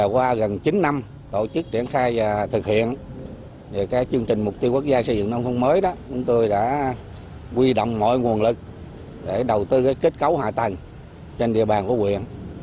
quy động mọi nguồn lực để đầu tư kết cấu hạ tầng trên địa bàn của huyện